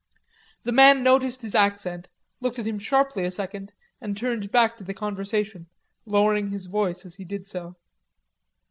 The man noticed his accent, looked at him sharply a second, and turned back to the conversation, lowering his voice as he did so.